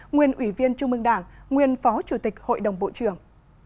nguyên ủy viên trung mương đảng nguyên phó chủ tịch hội đồng bộ trưởng